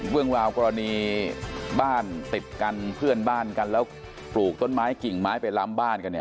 เรื่องราวกรณีบ้านติดกันเพื่อนบ้านกันแล้วปลูกต้นไม้กิ่งไม้ไปล้ำบ้านกันเนี่ย